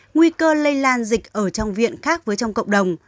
nguy cơ lây lan dịch ở trong viện khác với trong cộng đồng